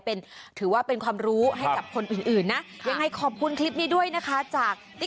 ที่ถือว่าเป็นความรู้ให้กับคนอื่นนะ